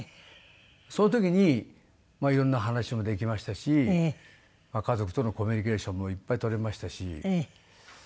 その時に色んな話もできましたし家族とのコミュニケーションもいっぱい取れましたし。